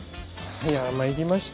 いやぁ参りました。